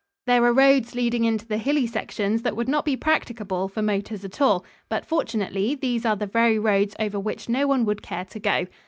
There are roads leading into the hilly sections that would not be practicable for motors at all, but, fortunately, these are the very roads over which no one would care to go.